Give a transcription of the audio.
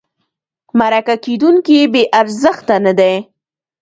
مرکه کېدونکی بې ارزښته نه دی.